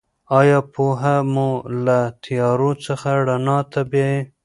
آیا پوهه مو له تیارو څخه رڼا ته بیايي؟